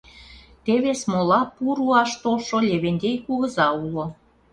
Теве смола пу руаш толшо Левентей кугыза уло.